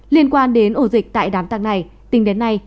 liên quan đến ổ dịch tại đám tăng này tính đến nay